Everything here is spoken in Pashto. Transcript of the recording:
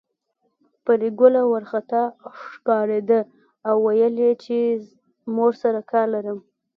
پري ګله وارخطا ښکارېده او ويل يې چې مور سره کار لرم